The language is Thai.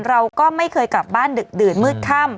เราก็ไม่เคยกลับบ้านดึกดื่นมืดค่ำ